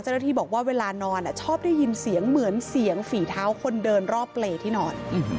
เจ้าหน้าที่บอกว่าเวลานอนชอบได้ยินเสียงเหมือนเสียงฝีเท้าคนเดินรอบเปรย์ที่นอน